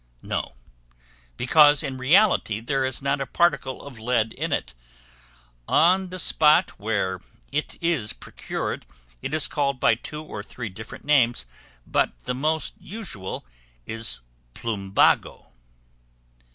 No; because, in reality, there is not a particle of lead in it. On the spot where it is procured, it is called by two or three different names, but the most usual is Plumbago.